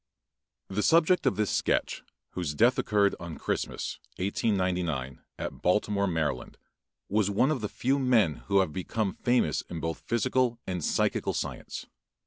] The subject of this sketch, whose death occurred on Christmas, 1899, at Baltimore, Md., was one of the few men who have become famous both in physical and psychical science.